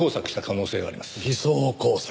偽装工作？